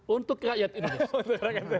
untuk rakyat indonesia